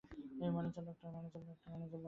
ওই ম্যানেজার লোকটা।